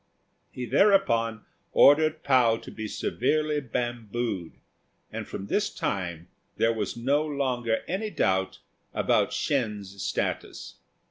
He thereupon ordered Pao to be severely bambooed, and from this time there was no longer any doubt about Shên's status.